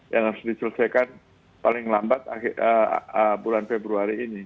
yang harus diselesaikan paling lambat bulan februari ini